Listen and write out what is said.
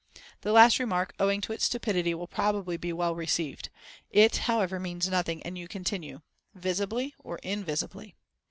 The last remark, owing to its stupidity, will probably be well received: it, however, means nothing, and you continue, "Visibly or invisibly?"